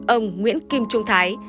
ông nguyễn kim trung thái